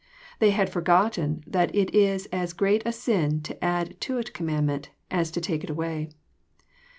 They had forgotten that it is as great a sin to add to a commandment, as to take it away.